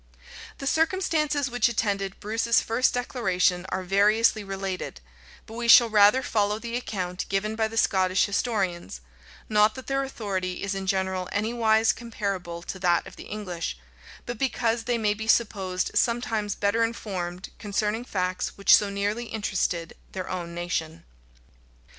The circumstances which attended Bruce's first declaration are variously related; but we shall rather follow the account given by the Scottish historians; not that their authority is in general anywise comparable to that of the English, but because they may be supposed sometimes better informed concerning facts which so nearly interested their own nation.